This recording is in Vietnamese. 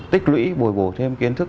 tích lũy bồi bổ thêm kiến thức